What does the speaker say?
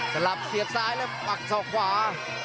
สลับเสียบซ้ายแล้วปักศอกขวา